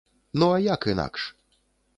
Ну а як інакш?